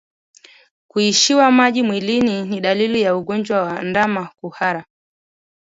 Kuishiwa maji mwilini ni dalili ya ugonjwa wa ndama kuhara